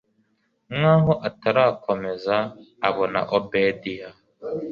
nkaho atarakomeza abona obedia